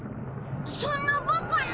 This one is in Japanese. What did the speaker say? そんなバカな。